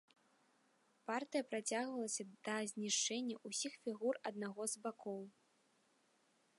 Партыя працягвалася да знішчэння ўсіх фігур аднаго з бакоў.